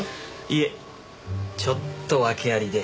いえちょっと訳ありで。